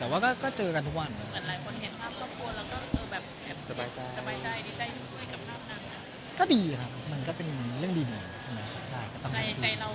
อยากให้มันคุยกับมาเป็นครอบครัวอะไรอย่างไร